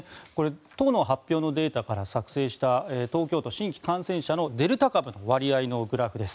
都の発表のデータから作成した東京都新規感染者のデルタ株の割合のグラフです。